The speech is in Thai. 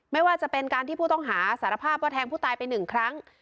ไม่ว่าจะเป็นการที่ผู้ต้องหาสารภาพว่าแทงผู้ตายไปหนึ่งครั้ง